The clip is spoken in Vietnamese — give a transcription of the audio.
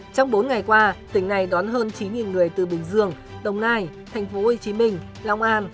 trong bốn ngày qua tỉnh này đón hơn chín người từ bình dương đồng nai tp hcm long an